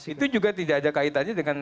itu juga tidak ada kaitannya dengan